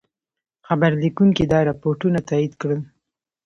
خبرلیکونکي دا رپوټونه تایید کړل.